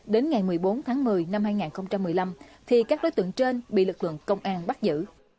đến ngày một mươi bốn tháng một mươi năm hai nghìn một mươi năm thì các đối tượng trên bị lực lượng công an bắt giữ